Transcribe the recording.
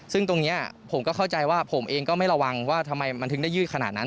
ซึ่งตรงนี้ผมก็เข้าใจว่าผมเองก็ไม่ระวังว่าทำไมมันถึงได้ยืดขนาดนั้น